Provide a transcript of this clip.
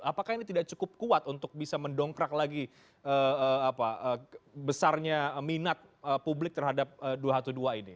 apakah ini tidak cukup kuat untuk bisa mendongkrak lagi besarnya minat publik terhadap dua ratus dua belas ini